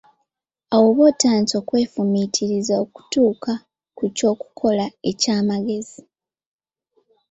Awo oba otandise okwefumiitiriza okutuuka ku ky'okukola eky'amagezi